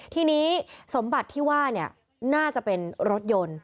ทีนี้สมบัติที่ว่าน่าจะเป็นรถยนต์